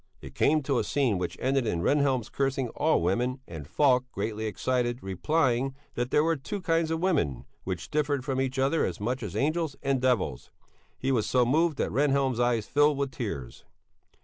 It came to a scene which ended in Rehnhjelm's cursing all women, and Falk, greatly excited, replying, that there were two kinds of women, which differed from each other as much as angels and devils. He was so moved that Rehnhjelm's eyes filled with tears.